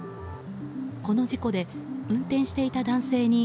この事故で運転していた男性に